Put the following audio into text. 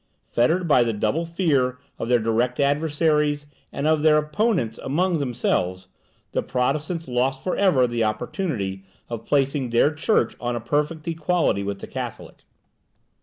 Fettered by the double fear of their direct adversaries, and of their opponents among themselves, the Protestants lost for ever the opportunity of placing their church on a perfect equality with the Catholic.